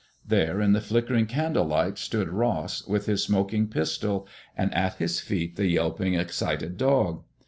There, in the flickering candle light, stood Ross with his smoking pistol, and at his feet the yelping, excited dog.